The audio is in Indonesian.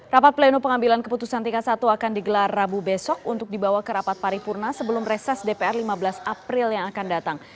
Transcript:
rapat pleno pengambilan keputusan tingkat satu akan digelar rabu besok untuk dibawa ke rapat paripurna sebelum reses dpr lima belas april yang akan datang